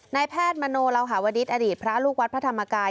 นายแพทย์มโนลาวหาวดิษฐอดีตพระลูกวัดพระธรรมกาย